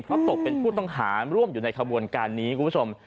เพราะตกเป็นผู้ต้องหาร่วมอยู่ในขบวนการนี้คุณผู้ชม